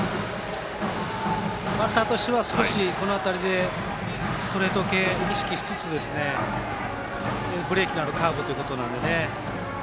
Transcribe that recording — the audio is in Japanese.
バッターとしてはこの辺りでストレート系を意識しつつブレーキのあるカーブということなので。